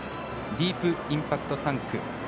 ディープインパクト産駒。